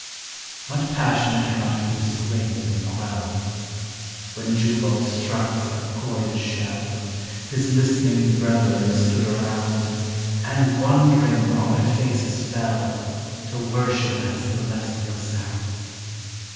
What passion cannot Music raise and quell? When Jubal struck the chorded shell, His listening brethren stood around, And, wondering, on their tees fell, To worship that celestial sound.